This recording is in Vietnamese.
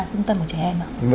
tương tâm của trẻ em